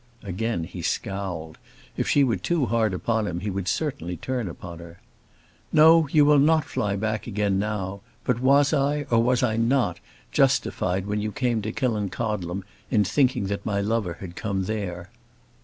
Again he scowled. If she were too hard upon him he would certainly turn upon her. "No; you will not fly back again now; but was I, or was I not, justified when you came to Killancodlem in thinking that my lover had come there?"